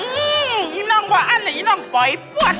อื้มมน้องวะอันเนี่ยน้องปล่อยปวด